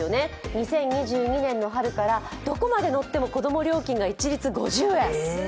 ２０２２年の春からどこまで乗っても子供料金が一律５０円。